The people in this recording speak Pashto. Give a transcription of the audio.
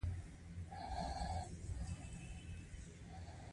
د عوامو اوازو به دوی مستبد انځورول.